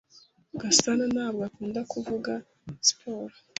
Gasanantabwo akunda kuvuga siporo.